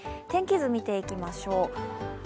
天気図見ていきましょう。